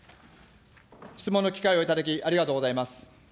質問の機会をいただき、ありがとうございます。